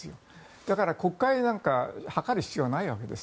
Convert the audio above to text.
だから国会なんか諮る必要ないわけです。